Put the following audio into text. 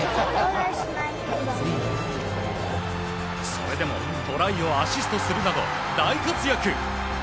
それでもトライをアシストするなど大活躍。